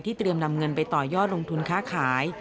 เตรียมนำเงินไปต่อยอดลงทุนค้าขาย